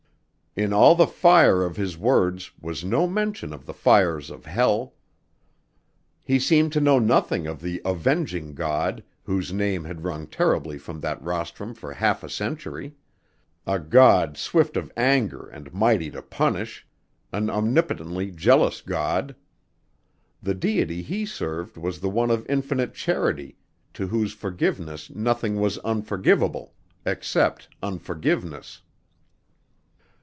In all the fire of his words was no mention of the fires of hell. He seemed to know nothing of the avenging God, whose name had rung terribly from that rostrum for half a century: a God swift of anger and mighty to punish: an omnipotently jealous God. The Deity he served was one of infinite charity to whose forgiveness nothing was unforgivable except unforgiveness.